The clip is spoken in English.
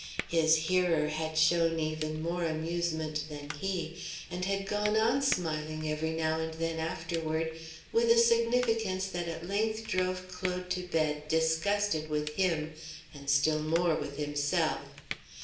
His hearer had shown even more amusement than he, and had gone on smiling every now and then afterward, with a significance that at length drove Claude to bed disgusted with him and still more with himself.